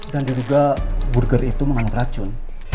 dan diduga burger itu mengamuk racun